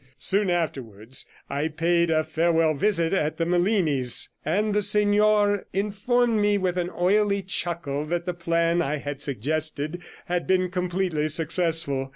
Soon afterwards I paid a farewell visit at the Melinis', and the signor informed me with an oily chuckle that the plan I had suggested had been completely successful.